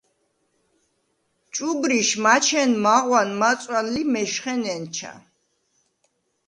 ჭუბრიშ მაჩენ მაღვან-მაწვან ლი მეშხე ნენჩა.